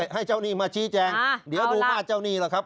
ให้เจ้าหนี้มาชี้แจงเดี๋ยวดูมาตรเจ้านี่แหละครับ